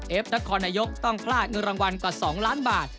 นครนายกต้องพลาดเงินรางวัลกว่า๒ล้านบาท